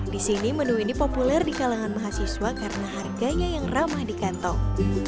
di sini menu ini populer di kalangan mahasiswa karena harganya yang ramah di kantong